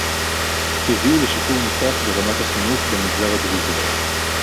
יביאו לשיפור נוסף ברמת החינוך במגזר הדרוזי